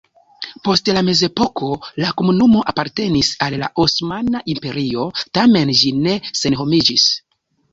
Post la mezepoko la komunumo apartenis al la Osmana Imperio, tamen ĝi ne senhomiĝis.